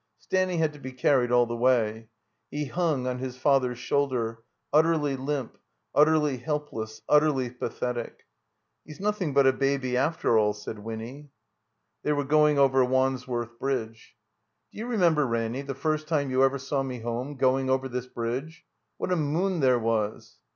Stanny had to be carried all the way. He hung on his father's shoulder, utterly limp, utterly help less, utterly pathetic. "He's nothing but a baby after all," said Winny. They were going over Wandsworth Bridge. 322 THE COMBINED MAZE "Do you remember, Ramiy, the first time you ever saw me home, going over this bridge ? What a moon there was!'